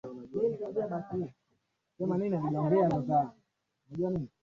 Ingawa hakuna idadi kamili ya watu waliouliwa wakati wa utawala wa Idi Amin kuanzia